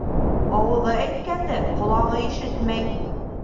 Ауыҙы әйткәнде ҡолағы ишетмәй.